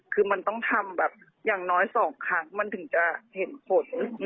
คือมันต้องทำแบบอย่างน้อย๒ครั้งมันถึงจะเห็นผล